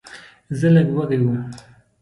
زه لږ وږی وم.